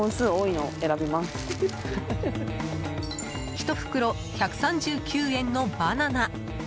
１袋１３９円のバナナ。